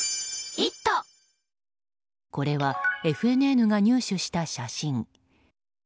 これは、ＦＮＮが入手した写真。